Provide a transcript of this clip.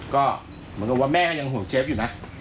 ก็มันก็ว่าแม่ก็ยังห่วงเชฟอยู่นะ